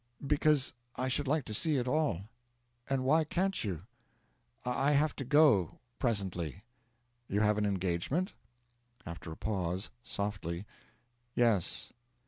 'Because I should like to see it all.' 'And why can't you?' 'I have to go presently.' 'You have an engagement?' After a pause, softly: 'Yes.'